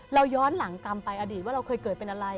ย้อนหลังกรรมไปอดีตว่าเราเคยเกิดเป็นอะไร